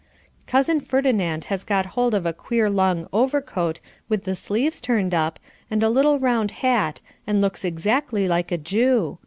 Cousin Ferdinand has got hold of a queer long overcoat with the sleeves turned up, and a little round hat, and looks exactly like a Jew.